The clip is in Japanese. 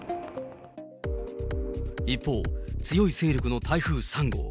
一方、強い勢力の台風３号。